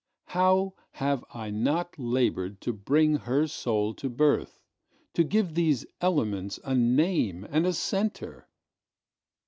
How have I not laboredTo bring her soul to birth, To give these elements a name and a centre!